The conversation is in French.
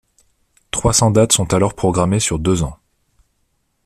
Trois cent dates sont alors programmées sur deux ans.